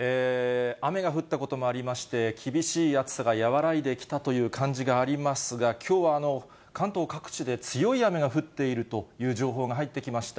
雨が降ったこともありまして、厳しい暑さが和らいできたという感じがありますが、きょうは関東各地で強い雨が降っているという情報が入ってきました。